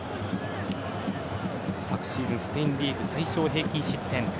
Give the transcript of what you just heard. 昨シーズン、スペインリーグ最少平均失点。